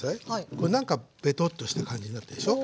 これ何かベトッとした感じになってるでしょう？